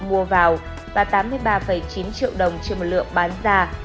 mua vào và tám mươi ba chín triệu đồng trên một lượng bán ra